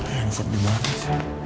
yang sepupu banget